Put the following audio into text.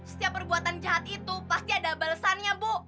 setiap perbuatan jahat itu pasti ada balesannya bu